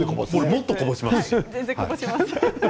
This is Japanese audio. もっとこぼしますよ。